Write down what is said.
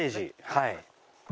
はい。